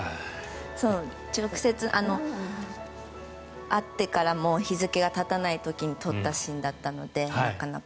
直接、会ってからも日付がたたない時に撮ったシーンだったのでなかなか。